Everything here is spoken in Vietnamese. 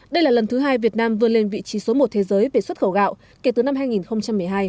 đây là lần thứ hai việt nam vươn lên vị trí số một thế giới về xuất khẩu gạo kể từ năm hai nghìn một mươi hai